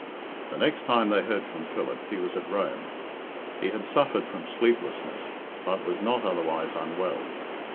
The next time they heard from Philip he was at Rome. He had suffered from sleeplessness, but was not otherwise unwell.